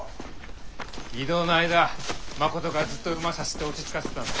移動の間誠がずっと馬さすって落ち着かせてたんだ。